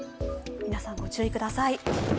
皆さん、御注意ください。